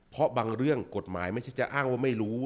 เพราะบางเรื่องกฎหมายไม่ใช่จะอ้างว่าไม่รู้